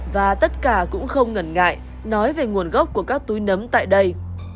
và tất cả cũng không ngần ngại nói về nguồn gốc của các túi nấm tại đây